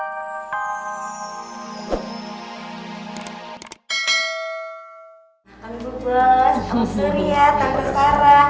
om surya tante sara